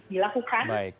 dilakukan percaya dulu